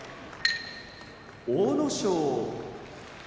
阿武咲